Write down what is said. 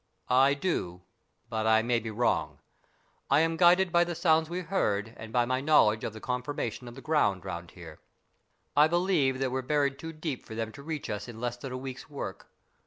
" I do, but I may be wrong. I am guided by the sounds we heard and by my knowledge of the conformation of the ground round here. I believe that we're buried too deep for them to reach us in less than a week's work.